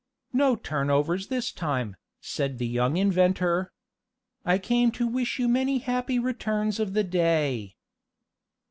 "No turnovers this time," said the young inventor. "I came to wish you many happy returns of the day."